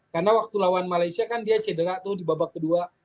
karena waktu lawan malaysia kan dia cedera tuh di babak kedua